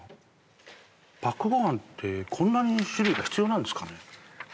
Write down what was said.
パックご飯ってこんなに種類が必要なんですかね？